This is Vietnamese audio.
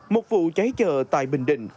một vụ cháy chở tại bình định